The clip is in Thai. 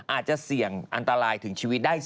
อาจจะเสี่ยงอันตรายถึงชีวิตได้